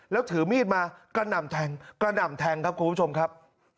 แล้วถือมีดมากระหน่ำแทงกระหน่ำแทงครับคุณผู้ชมครับ